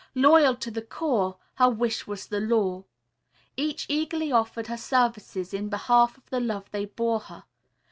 Loyal to the core, her wish was their law. Each eagerly offered her services in behalf of the love they bore her.